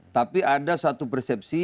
tapi ada suatu persepsi